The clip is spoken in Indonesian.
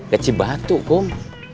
keci batu kum